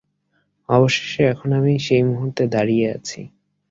অবশেষে এখন আমি সেই মুহূর্তে দাঁড়িয়ে আছি।